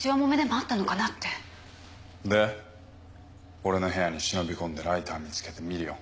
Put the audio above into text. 俺の部屋に忍び込んでライターみつけてミリオン？